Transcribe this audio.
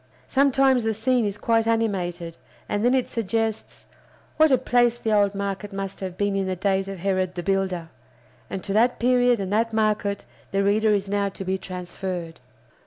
Sometimes the scene is quite animated, and then it suggests, What a place the old market must have been in the days of Herod the Builder! And to that period and that market the reader is now to be transferred.